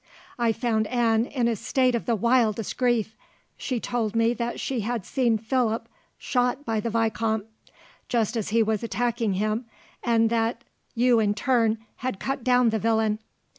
"I found Anne in a state of the wildest grief. She told me that she had seen Philip shot by the vicomte, just as he was attacking him, and that you in turn had cut down the villain.